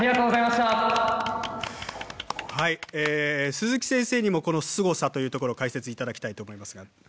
鈴木先生にもこのすごさというところを解説頂きたいと思いますがどうですか？